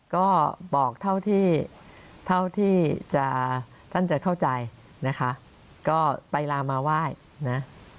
ก็บอกเท่าที่จะท่านจะเข้าใจนะคะก็ไปลามาไหว้นะ